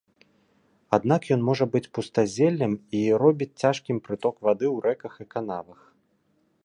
Аднак ён можа быць пустазеллем, і робіць цяжкім прыток вады ў рэках і канавах.